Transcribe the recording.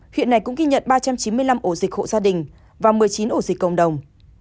hiện nay cũng ghi nhận ba trăm chín mươi năm ổ dịch hộ gia đình và một mươi chín ổ dịch cộng đồng